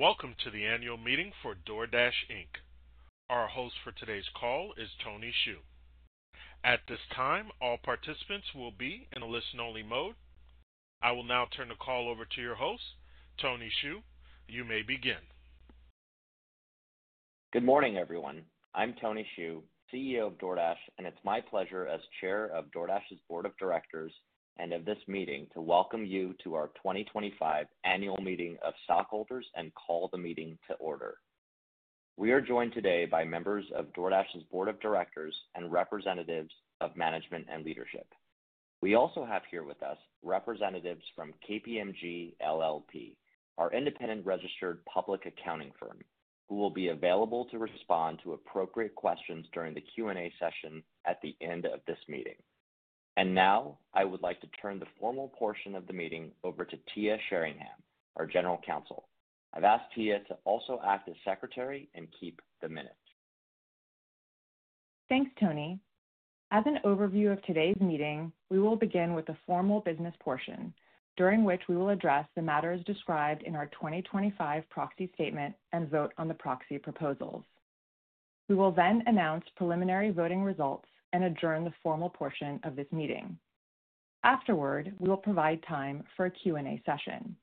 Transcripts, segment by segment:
Welcome to the annual meeting for DoorDash Inc. Our host for today's call is Tony Xu. At this time, all participants will be in a listen-only mode. I will now turn the call over to your host, Tony Xu. You may begin. Good morning, everyone. I'm Tony Xu, CEO of DoorDash, and it's my pleasure as Chair of DoorDash's Board of Directors and of this meeting to welcome you to our 2025 Annual Meeting of Stockholders and call the meeting to order. We are joined today by members of DoorDash's Board of Directors and representatives of management and leadership. We also have here with us representatives from KPMG LLP, our independent registered public accounting firm, who will be available to respond to appropriate questions during the Q&A session at the end of this meeting. I would like to turn the formal portion of the meeting over to Tia Sherringham, our General Counsel. I've asked Tia to also act as secretary and keep the minutes. Thanks, Tony. As an overview of today's meeting, we will begin with the formal business portion, during which we will address the matters described in our 2025 proxy statement and vote on the proxy proposals. We will then announce preliminary voting results and adjourn the formal portion of this meeting. Afterward, we will provide time for a Q&A session.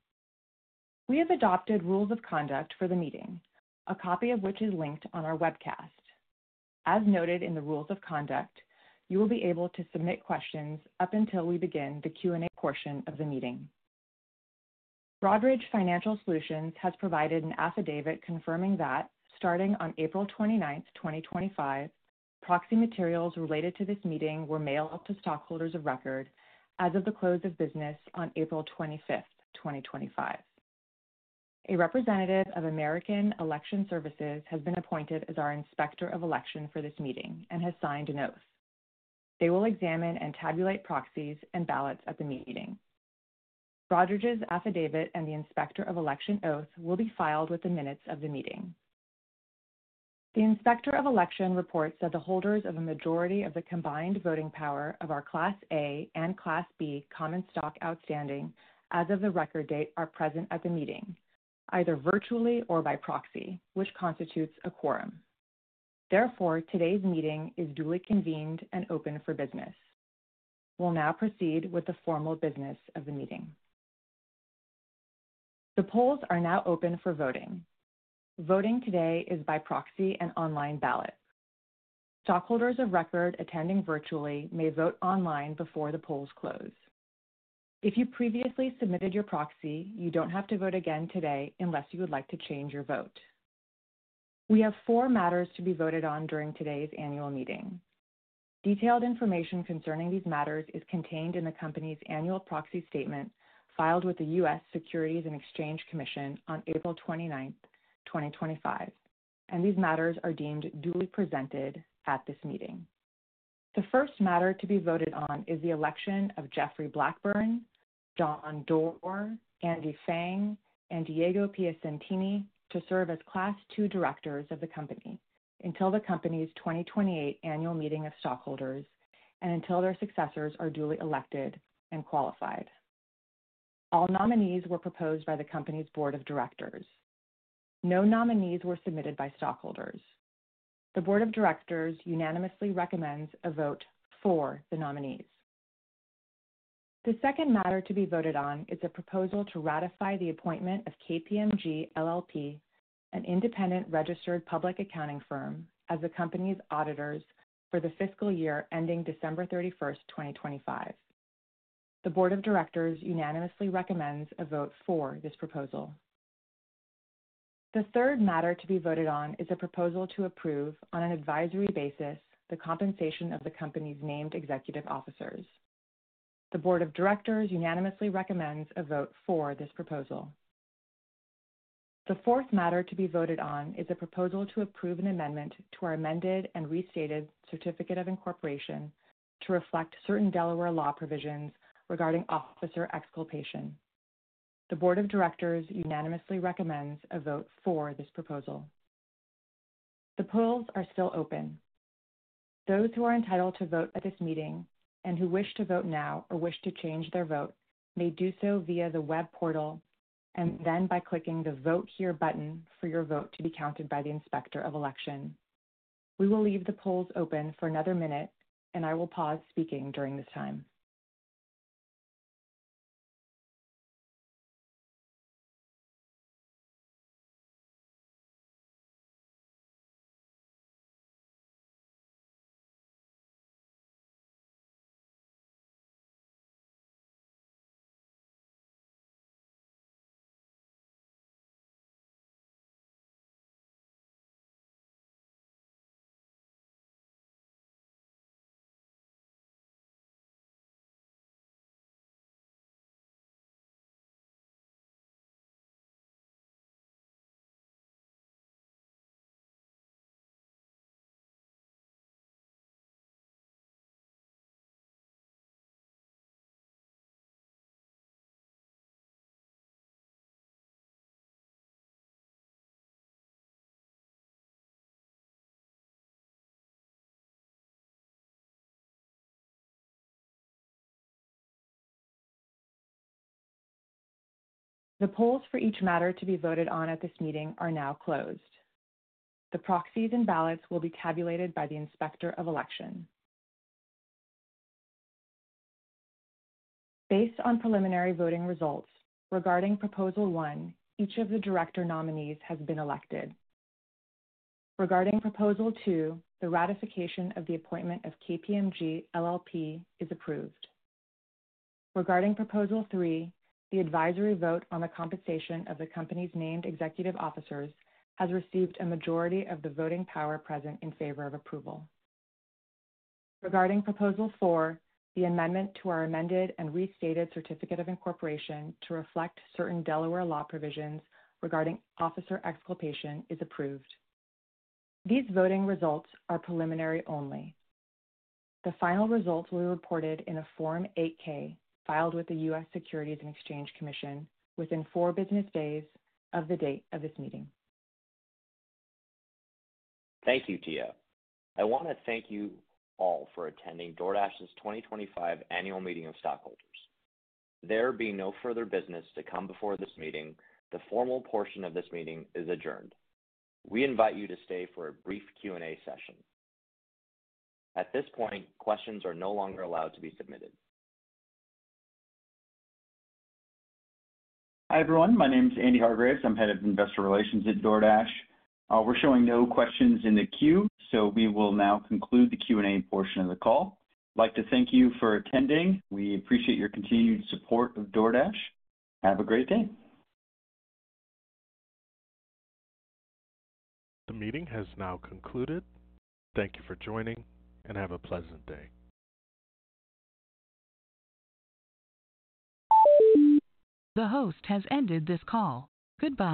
We have adopted rules of conduct for the meeting, a copy of which is linked on our webcast. As noted in the rules of conduct, you will be able to submit questions up until we begin the Q&A portion of the meeting. Broadridge Financial Solutions has provided an affidavit confirming that, starting on April 29th, 2025, proxy materials related to this meeting were mailed to stockholders of record as of the close of business on April 25th, 2025. A representative of American Election Services has been appointed as our Inspector of Election for this meeting and has signed an oath. They will examine and tabulate proxies and ballots at the meeting. Broadridge's affidavit and the inspector of election oath will be filed with the minutes of the meeting. The Inspector of Election reports that the holders of a majority of the combined voting power of our Class A and Class B common stock outstanding as of the record date are present at the meeting, either virtually or by proxy, which constitutes a quorum. Therefore, today's meeting is duly convened and open for business. We'll now proceed with the formal business of the meeting. The polls are now open for voting. Voting today is by proxy and online ballot. Stockholders of record attending virtually may vote online before the polls close. If you previously submitted your proxy, you don't have to vote again today unless you would like to change your vote. We have four matters to be voted on during today's annual meeting. Detailed information concerning these matters is contained in the company's annual proxy statement filed with the U.S. Securities and Exchange Commission on April 29th, 2025, and these matters are deemed duly presented at this meeting. The first matter to be voted on is the election of Jeffrey Blackburn, John Doerr, Andy Fang, and Diego Piacentini to serve as Class 2 directors of the company until the company's 2028 annual meeting of stockholders and until their successors are duly elected and qualified. All nominees were proposed by the company's Board of Directors. No nominees were submitted by stockholders. The Board of Directors unanimously recommends a vote for the nominees. The second matter to be voted on is a proposal to ratify the appointment of KPMG LLP, an independent registered public accounting firm, as the company's auditors for the fiscal year ending December 31st, 2025. The Board of Directors unanimously recommends a vote for this proposal. The third matter to be voted on is a proposal to approve, on an advisory basis, the compensation of the company's named executive officers. The Board of Directors unanimously recommends a vote for this proposal. The fourth matter to be voted on is a proposal to approve an amendment to our amended and restated certificate of incorporation to reflect certain Delaware law provisions regarding officer exculpation. The Board of Directors unanimously recommends a vote for this proposal. The polls are still open. Those who are entitled to vote at this meeting and who wish to vote now or wish to change their vote may do so via the web portal and then by clicking the Vote Here button for your vote to be counted by the inspector of election. We will leave the polls open for another minute, and I will pause speaking during this time. The polls for each matter to be voted on at this meeting are now closed. The proxies and ballots will be tabulated by the Inspector of Election. Based on preliminary voting results, regarding Proposal One, each of the director nominees has been elected. Regarding Proposal Two, the ratification of the appointment of KPMG LLP is approved. Regarding Proposal Three, the advisory vote on the compensation of the company's named executive officers has received a majority of the voting power present in favor of approval. Regarding Proposal Four, the amendment to our amended and restated certificate of incorporation to reflect certain Delaware law provisions regarding officer exculpation is approved. These voting results are preliminary only. The final results will be reported in a Form 8-K filed with the U.S. Securities and Exchange Commission within four business days of the date of this meeting. Thank you, Tia. I want to thank you all for attending DoorDash's 2025 annual meeting of stockholders. There being no further business to come before this meeting, the formal portion of this meeting is adjourned. We invite you to stay for a brief Q&A session. At this point, questions are no longer allowed to be submitted. Hi, everyone. My name is Andy Hargreaves. I'm Head of Investor Relations at DoorDash. We're showing no questions in the queue, so we will now conclude the Q&A portion of the call. I'd like to thank you for attending. We appreciate your continued support of DoorDash. Have a great day. The meeting has now concluded. Thank you for joining, and have a pleasant day. The host has ended this call. Goodbye.